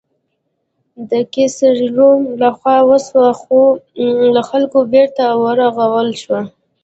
د قیصر روم له خوا وسوه، خو له خلکو بېرته ورغول شوه.